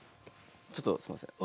ちょっとすいません。